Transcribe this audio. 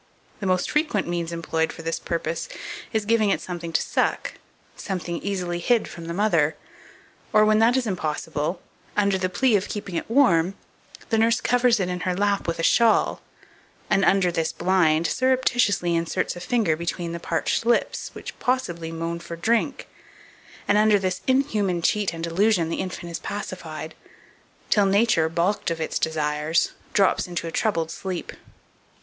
The most frequent means employed for this purpose is giving it something to suck, something easily hid from the mother, or, when that is impossible, under the plea of keeping it warm, the nurse covers it in her lap with a shawl, and, under this blind, surreptitiously inserts a finger between the parched lips, which possibly moan for drink; and, under this inhuman cheat and delusion, the infant is pacified, till Nature, balked of its desires, drops into a troubled sleep.